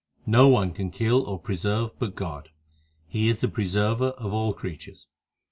No one can kill or preserve but God ; He is the Preserver of all creatures.